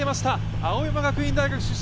青山学院大学出身